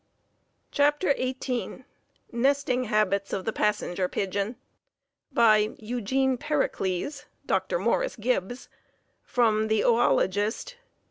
] CHAPTER XVIII Nesting Habits of the Passenger Pigeon By Eugene Pericles (Dr. Morris Gibbs), from "The Oölogist, 1894."